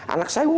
anak saya murah